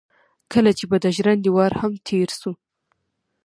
کله چې به د ژرندې وار هم تېر شو.